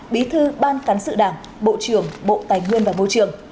bí thư ban cán sự đảng bộ trưởng bộ tài nguyên và môi trường